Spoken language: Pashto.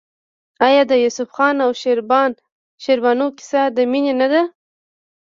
آیا د یوسف خان او شیربانو کیسه د مینې نه ده؟